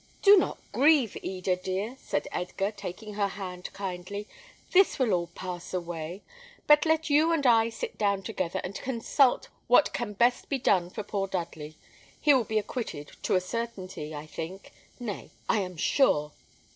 "Do not grieve, Eda, dear," said Edgar, taking her hand kindly. "This will all pass away; but let you and I sit down together, and consult what can best be done for poor Dudley. He will be acquitted, to a certainty, I think: nay, I am sure."